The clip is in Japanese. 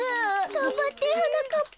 がんばってはなかっぱ。